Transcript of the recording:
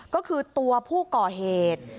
ก็คือตัวผู้ก่อเหตุ